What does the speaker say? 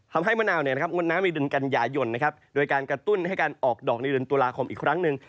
ทำให้มะนาวมีดนกัญญายนโดยการกระตุ้นให้การออกดอกในเดือนตุลาคมอีกครั้งหนึ่ง